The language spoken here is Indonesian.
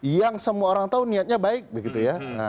yang semua orang tahu niatnya baik begitu ya